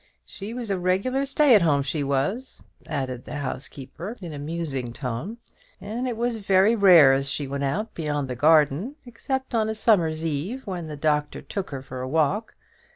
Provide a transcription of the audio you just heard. She was a regular stay at home, she was," added the housekeeper, in a musing tone; "and it was very rare as she went out beyond the garden, except on a summer's evening, when the Doctor took her for a walk.